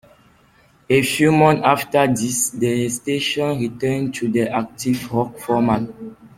A few months after this, the station returned to the Active Rock format.